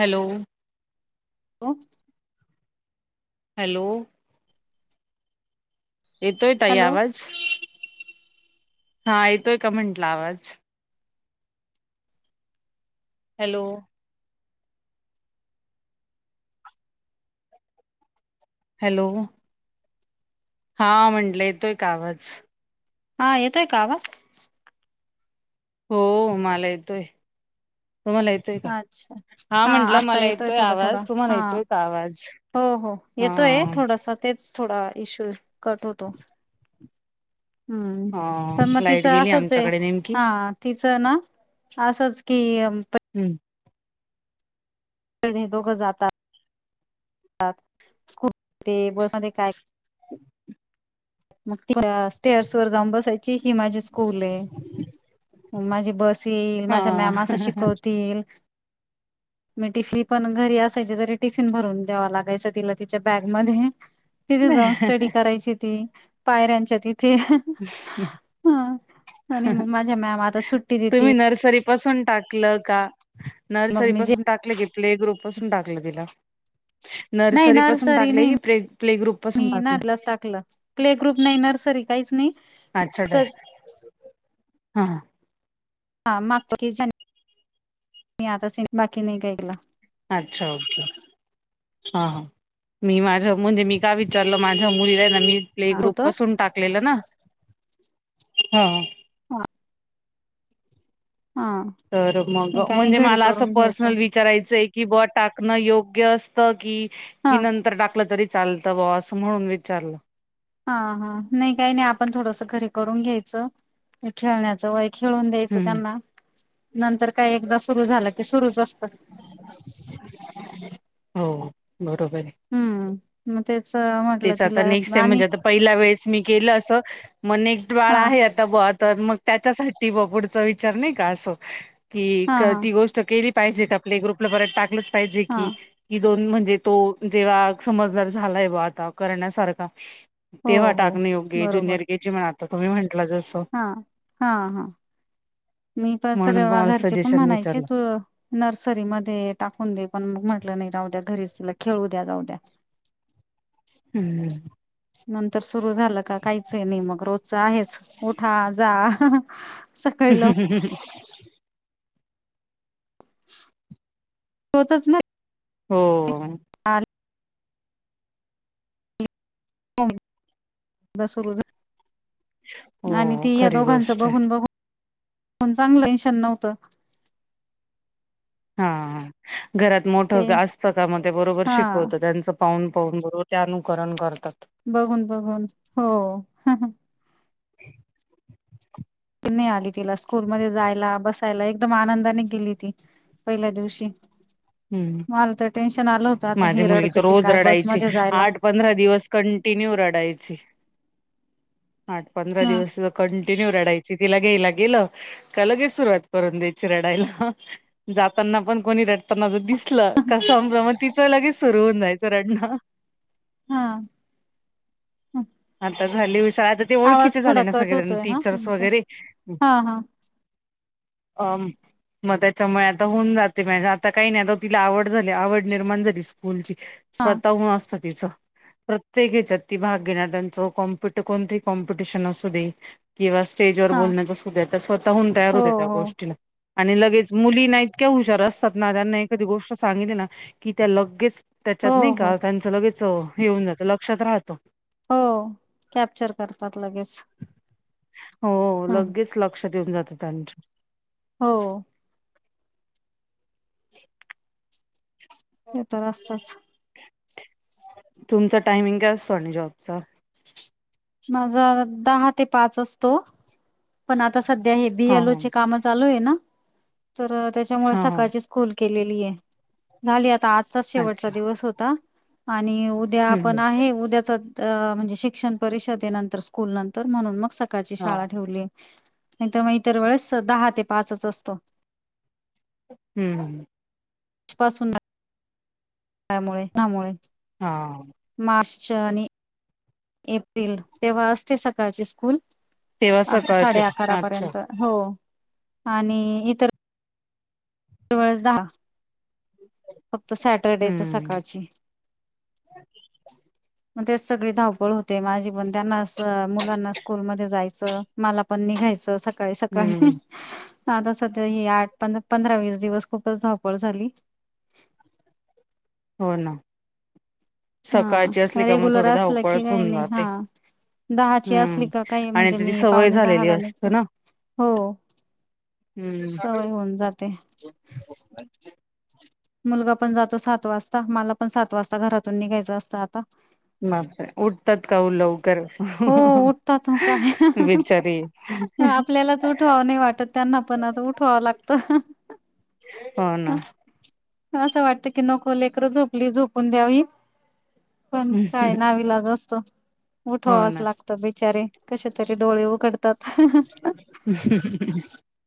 Hello [unintelligible] hello येतोय ताई hello आवाज, हा येतोय का म्हंटला आवाज. हॅलो हॅलो हा म्हंटलं येतोय का आवाज? हा येतोय का आवाज. हो मला येतोय, तुम्हाला येत अच्छा हा म्हंटलं आता मला येतोय थोडा थोडा आवाज, तुम्हाला हा येतोय का आवाज. हो हा येतोय थोडस तेच थोडा इश्यू कट होतो. हम्म हा पण मग लाईट तिचं गेली असंच आहे आमच्याकडे नेमकी हा. तिचं ना असंच की हम्म [inaudible] दोघ जातात. [unintelligible] मग ती टेरेसवर जाऊन बसायची ही माझी स्कूल आहे. माझी बस येईल माझ्या मॅम अस हा शिकवतील. [unintelligible] टिफी पण घरी असायची तरी भरून द्यावा लागायच तिला तिच्या बॅग मध्ये. तिथे जाऊन स्टडी करायची ती पायऱ्यांच्या तिथे. हा आणि मग माझ्या मॅम आता सुट्टी तुम्ही देते. नर्सरी पासून टाकलं का मग नर्सरी मी जे पासून टाकलं की प्ले ग्रुप पासून टाकलं तिला? नर्सरी पासून टाकले की प्ले ग्रुप पासून टाकलं. कस टाकलं? प्ले ग्रुप नाही, नर्सरी नाही काहीच नाही. अच्छा ते तर हा. हा मागतो की [inaudible] मी आता बाकी नाही काय केलं. अच्छा ओके. हा मी माझ मी का विचारलं, माझ्या मुलीला आहे ना मी प्ले ग्रुप होत पासून टाकलेलं ना हा. हा हा तर मग नाही काय नाही म्हणजे घरी मला असं करून घ्यायचं पर्सनल विचारायचंय की ब टाकण योग्य असत की, हा की नंतर टा तरी चालतं बा म्हणून विचारलं. हा हा नाय काय नाय आपण थोडस घरी करून घ्यायचं खेळण्याचं वय खेळून द्यायचं हम्म त्यांना, नंतर काय एकदा सुरू झालं की सुरुच असत. हो बरोबर ए. हम्म. म तेच तेच आता तिला नेक्स्ट टाइम आणि म्हणजे आता पहिला वेळेस मी केलं असं, मग नेक्स्ट बाळ हा आहे बा आता म त्याच्यासाठी बा पुढचा विचार नाय का आसं की हा हा ती गो केली पाहिजेत आपली ग्रुपला बरत टाकलंच पाहिजे हा की. कि दोन म्हणजे तो जेव्हा समजदार झालाय बा आता करण्यासारखा हो ततेव्हा हो. टाकनं योग्य ए बरोबर जुनियर के जी म्हणाता तुम्ही म्हंटलं जस. हा हा हा, मी पण सगळे म्हणून वा तुम्हाला घरचे पण सजेशन म्हणायचे विचारलं तू नर्सरीमध्ये टाकून दे, पण मग म्हटलं नाय राहूद्या घरी तिला खेळूद्या जाऊद्या. हम्म. नंतर सुरू झालं का काहीच आहे नाय मग रोजच आहेच. उठा जा, सकाळी लव [inaudible] होतच नाय. हो. हो. सुरू, आणि हो ती या खरी दोघांच गोष्ट आहे बघून बघून चांगलं टेन्शन नव्हतं. हा, घरात ते मोठं असतं का मग ते बरोबर हा शिकवतं त्यांच पाहून पाहून बरोबर ते अनुकरण करतात. बघून बघून हो. ती नाय आली तिला स्कूल मध्ये जायला, बसायला एकदम आनंदाने गेली ती. पहिल्या दिवशी. हम्म मला तर टेन्शन आल होतं, आता माझी हि मुलगी रडते तर कि रोज काय रडायची बसमध्ये जायला. आठ पंधरा दिवस कंटिन्यू रडायचे आठ पंधरा ह. दिवस कंटिन्यू रडायची, तिला घ्यायला गेलं का लगेच सुरुवात करून द्यायची रडायला. जाताना पण कोणी रडताना जर दिसलं, का समजा म तिचं लगेच सुरू हुन जायचं रडणं. हा हा. आता झाले [unintelligible] आता ते ओळखीचे झाले ना कट होतोय हा टीचर्स तुमचा वगैरे. हा हा अम म त्याच्यामुळे आता होऊन जातेे, आता काय नाय आता तिला आवड झाली, आवड निर्माण झाली स्कूलची. हा स्वतःहून असतं तिचं, प्रत्येक हेच्यात भाग चो -कॉम्पिट कोणतंही कॉम्पिटिशन आसूदे. किंवा स्टेज वर हा बोलण्याचा सुद्धा त्या स्वतःहून तयार हो होत्या त्या हो गोष्टीला. आणि लगेच मुलीना इतक्या हुशार असतात ना, त्यांना एखादी गोष्ट सांगितली ना की त्या लगेच हो त्याच्यात नाई हो का, लगेच येऊन लक्षात राहतो. हो, कॅप्चर करतात लगेच. हो, हम्म लगेच लक्षात येऊन जातं त्यांच्या. हो. [inaudible] हे तर असतच. तुमच टाइमिंग काय असतो आणि जॉबचा? माझा दहा ते पाच असतो. पण आता सध्या हे बी हा एल ओ हा काम चालू आहे ना, तर त्याच्यामुळे हा हा सकाळचे खोल केलेली ये, झाली आता आजचाच अच्छा शेवटचा दिवस होता, आणि उद्या हम्म आपण आहे, उद्याच म्हणजे शिक्षण परिषदेनंतर स्कूल नंतर म्हणून मग सकाळची हा शाळा ठेवलीये, नाहीतर मग इतर वेळेस दहा ते पाच असतो. हम्म. पासून त्यामुळे त्यामुळे हां मार्च आणि एप्रिल तेव्हा असते सकाळची स्कूल तेव्हा सकाळचे साडे अच्छा अकरापर्यंत हो, आणि इतर जवळच दहा फक्त सॅटर्डे च स हम्म सकाळची मग तेच सगळी धावपळ होते माझी पण त्यांना अस मुलांना स्कूल मध्ये जायचं. मला पण निघायच सकाळी हम्म सकाळी आता सध्या ही आठ पंधरा वीस दिवस खूपच धावपळ झाली. [unintelligible] हो ना सकाळची हा असली का मग रेगुलर थोडी असला की धावपळच काही होऊन नाही हा जाते दहाची असली हम्म का काही आणि म्हणजे ती मी सवय पावणे झालेली दहाला असते निघते ना हो हम्म सवय होऊन जाते. [inaudible] मुलगा पण जातो सात वाजता मला पण सात वाजता घरातून निघायच असतं आता मग काय उठतात का ओ लवकर हो उठतात मग काय बिचारी आपल्यालाच उठावं नाही वाटत, त्यांना पण आता उठवावं लागतं. हो ना पण असं वाटतं की नको, लेकर झोपली झोपून द्यावी पण काय नाविलाज असतो. हो उठवावाच ना लागत बिचारे कशेतरी डोळे उघडतात.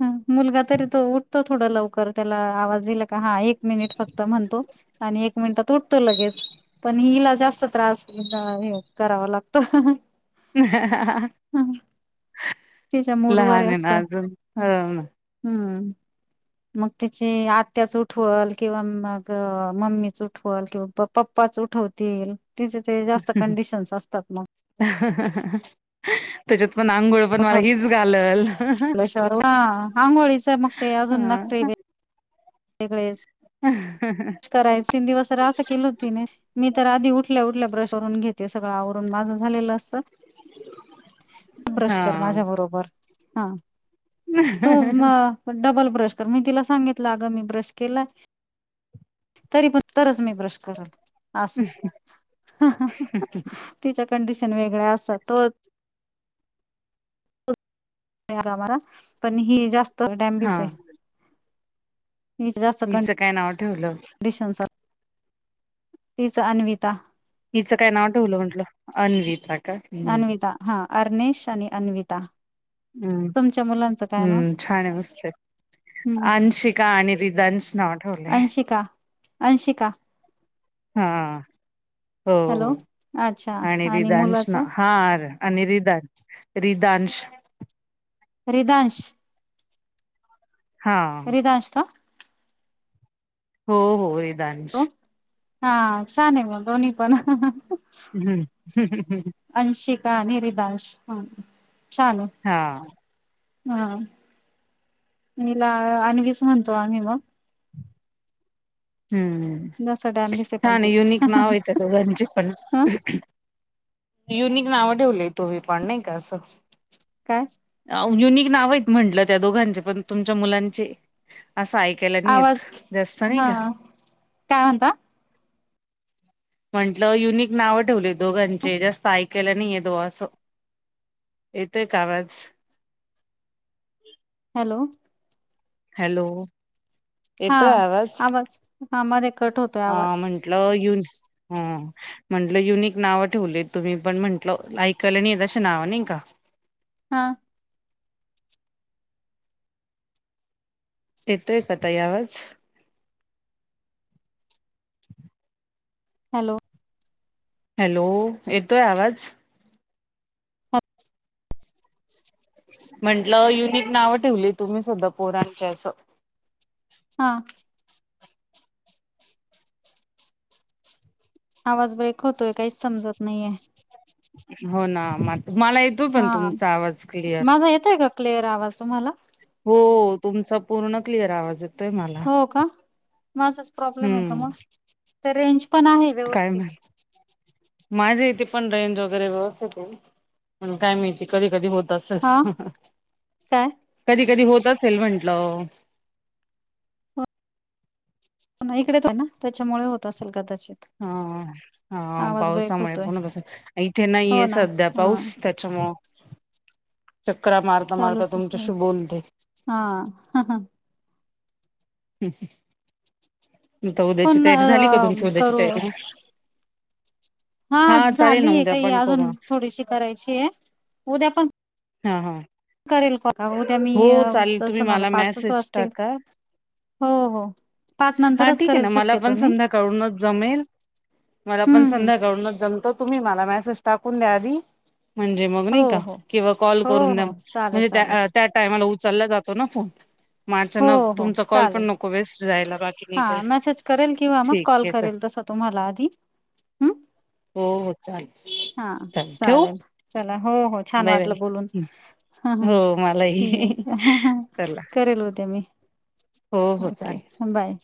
ह मुलगा तरी तो उठतो थोडा लवकर त्याला आवाज दिला का हा एक मिनिट फक्त म्हणतो आणि एक मिनिटात उठतो लगेच पण हिला जास्त त्रास कराव लागतं. तिच्या मूडवर लहान आहे ना असतं अजून, हो ना हम्म, मग तिची आत्याच उठवल. किंवा मग मम्मीच उठवल किंवा प पप्पाच उठवतील. तिच ते जास्त कंडिशन्स असतात म त्याच्यात पण आंघोळ पण मला हीच घालल. ह आंघोळीच मग ते अजून नखरे हा वेगळेच [unintelligible] कराय तीन दिवस तर असं केलं तिने मी तर आधी उठल्या उठल्या ब्रश करून घेते, सगळं आवरून माझं झालेलं असतं. ब्रश कर हा माझ्या बरोबर हा तू डबल ब्रश कर मी तिला सांगितलं आग मी ब्रश केला, तरी पण तरच मी ब्रश करल. अस तिच्या कंडिशन वेगळ्या असतात हो. [unintelligible] पण ही जास्त हा डॅमबीस आहे. नि, जा, सकण हिचं काय नाव ठेवलं [inaudible] [unintelligible] तिच अन्विता. हिचं काय नाव ठेवलं म्हंटलं अन्विता का्. अन्विता हा अर्नेश आणि अन्विता, हम्म तुमच्या मुलांचं काय हम्म छान मस्त नाव अंशिका आणि तिज अंश नाव ठवले. अंशिका अंशिका हा हो हॅलो अच्छा आणि तीज अंश मुलाच हा.. आणि रिदान रिदांश रिदांश हा रीदांशा का हो हो रिदांश हो हा छान आहे मग दोन्ही पण, हम्म ह [inaudible] अंशिका आणि रिदाश ह छान आहे. हा हा हीला आणन्वीच म्हणतो आम्ही पण, हम्म जसं डॅमबीस आहे पण छान ती युनिक नाव हाय त्या दोघाची पण, ह युनिक नाव ठेवलं तुम्ही पण नाही का असं, काय युनिक नाव आहेत म्हटलं त्या दोघांचे पण तुमच्या मुलांचे. असं ऐकायला नाही येत आवाज जास्त नाही हा का. काय म्हणला. म्हंटलं युनिक नाव ठेवले दोघांचे जास्त एकायला नाही येत वा असं, येतय का आवाज? हॅलो! हॅलो! हा येतोय आवाज, आ मध्ये कट होतो. अ म्हंटलं युनी हं म्हंटलं युनिक नाव ठेवलीत तुम्ही पण म्हंटलं ऐकालं नाही अशी नावं नाही. हा येतोय का ताई आवाज. हॅलो! हॅलो येतोय आवाज. हा म्हंटलं युनिक नावं ठेवली तुम्ही सुद्धा पोरांच्या असं हा आवाज ब्रेक होतोय काहीच समजत नाहीे. हो ना म मला येतो पण तुमचा आवाज क्लिअर. हा येतोय का. क्लिअर आवाज तुम्हाला. हो तुमचा पूर्ण क्लिअर आवाज येतोय मला. हो का म असाच प्रॉब्लेम आहे. का हम्म मग रेंज पण आहे व्यवस्थित माझे इथे पण रेंज वगैरे व्यवस्थितेत आहे पण काय माहिती कधी कधी हो तस हा [unintelligible] काय कधी कधी होत असेल म्हंटलं इकडेच आहे ना त्याच्यामुळे होत असेल कदाच हा हा पावसामुळे होतोय पण कस इथे हो नाहीये ना सध्या हा पाऊस त्या च्या मुळ चक्र मारता मारता चालूच आहे सगळं तुमच्याशी बोलते. हा ह ह हा हा आता उद्याची पण अ तयारी झाली का तुमची उद्याची करू तयारी हा चालेल ना झालीय उद्या काही पण करू अजून थोडीशी करायची आहे उद्या पण हा हा करेल का उद्या मी हो चालेल तुम्ही जसं मला पाचच मेसेज वाजतील टाका. हो हो पाच हा नंतरच ठीक करेल ना मला शक्यतो पण मी सध्या कळूनच जमेल मला पण हम्म हम्म संध्याकाळूनच जमतो तुम्ही मला मेसेज टाकून द्या आधी म्हणजे मग हो नाही का? हो किंवा कॉल हो करून हो देल चालेल म्हणजे त्या चालेल ऍड त्या टायमाला उचलला जातो ना फोन. म हो आचानक, हो तुमचा कॉल पण चालेल नको वेस्ट जायला रात ‌ हा. मेसेज करेल किंवा मग कॉल तर करेल तसं तुम्हाला आधी. हम्म हो-हो चाल, हा चाल ठेवू. चालेल चला हो-हो. छान बाय बाय वाटलं बोलून. हो ह-ह मलाही ठिक हा-हा चला करेल उद्या मी. [inaudible] ओके चालेल हा बाय.